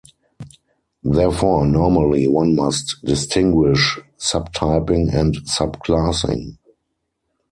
Therefore normally one must distinguish subtyping and subclassing.